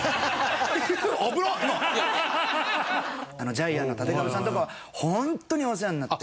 ジャイアンのたてかべさんとかはホントにお世話になって。